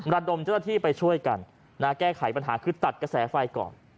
ระดมเจ้าหน้าที่ไปช่วยกันแก้ไขปัญหาคือตัดกระแสไฟก่อน